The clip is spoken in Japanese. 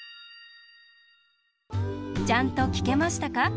ちゃんときけましたか？